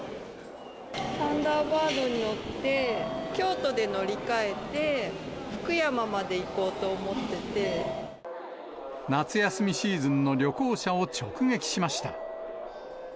サンダーバードに乗って、京都で乗り換えて、夏休みシーズンの旅行者を直撃しました。